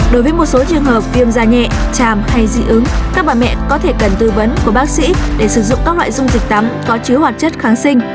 đối với một số trường hợp viêm da nhẹ chàm hay dị ứng các bà mẹ có thể cần tư vấn của bác sĩ để sử dụng các loại dung dịch tắm có chứa hoạt chất kháng sinh